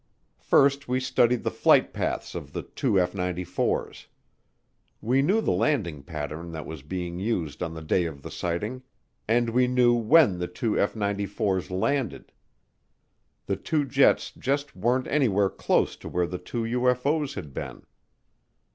First we studied the flight paths of the two F 94's. We knew the landing pattern that was being used on the day of the sighting, and we knew when the two F 94's landed. The two jets just weren't anywhere close to where the two UFO's had been.